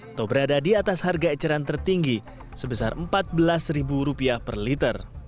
atau berada di atas harga eceran tertinggi sebesar rp empat belas per liter